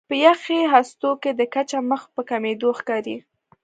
په یخي هستو کې د کچه مخ په کمېدو ښکاري.